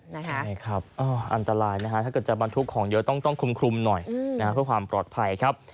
นี่ครับอันตรายนะฮะถ้าเกิดจะบรรทุกของเยอะต้องคลุมหน่อยเพื่อความปลอดภัยครับ